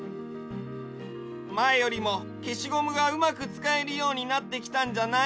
まえよりもけしゴムがうまくつかえるようになってきたんじゃない？